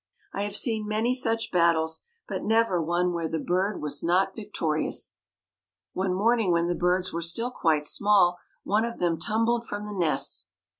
I have seen many such battles, but never one where the bird was not victorious. One morning, when the birds were still quite small, one of them tumbled from the nest.